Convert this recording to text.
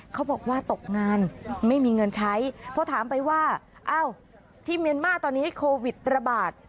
เขาบอกว่าตกงานไม่มีเงินใช้เพราะถามไปว่าอ้าวที่เมียนมาร์ตอนนี้โควิดระบาด